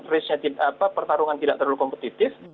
risknya apa pertarungan tidak terlalu kompetitif